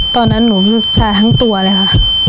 ตอนนั้นหนูชาทั้งตัวเลยค่ะ